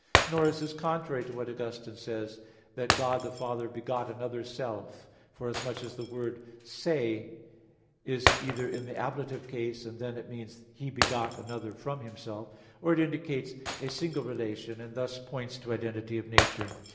_ Nor is this contrary to what Augustine says (Ep. lxvi ad Maxim.) that "God the Father begot another self [alterum se]," forasmuch as the word "se" is either in the ablative case, and then it means "He begot another from Himself," or it indicates a single relation, and thus points to identity of nature.